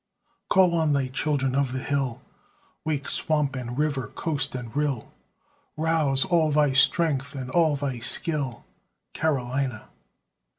Call on thy children of the hill, Wake swamp and river, coast and rill, Rouse all thy strength and all thy skill, Carolina!